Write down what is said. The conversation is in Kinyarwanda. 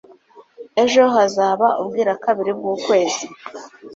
Ejo hazaba ubwirakabiri bwukwezi.